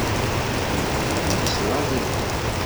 Yuba ur yeslaẓ iḍan.